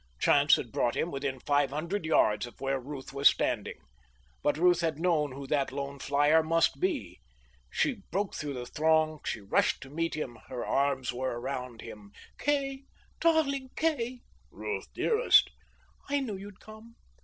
Chance had brought him within five hundred yards of where Ruth was standing. But Ruth had known who that lone flyer must be. She broke through the throng; she rushed to meet him. Her arms were around him. "Kay, darling Kay!" "Ruth, dearest!" "I knew you'd come."